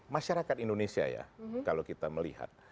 masyarakat indonesia ya kalau kita melihat